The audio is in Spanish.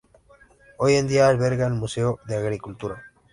Hoy en día, alberga el Museo de Agricultura.